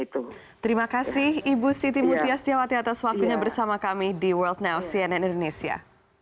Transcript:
terima kasih ibu siti mutias tiawati atas waktunya bersama kami di world now cnn indonesia